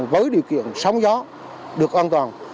với điều kiện sóng gió được an toàn